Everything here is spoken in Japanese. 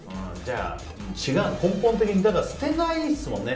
根本的に捨てないですもんね